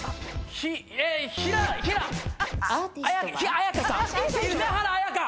平原綾香！